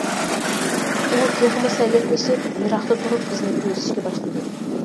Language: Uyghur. ئۇ تېخىمۇ سەگەكلىشىپ يىراقتا تۇرۇپ بىزنى كۆزىتىشكە باشلىدى.